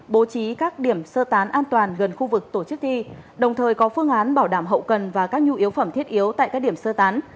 bố trí các điểm sơ tán an toàn gần khu vực tổ chức thi đồng thời có phương án bảo đảm hậu cần và các nhu yếu phẩm thiết yếu tại các điểm sơ tán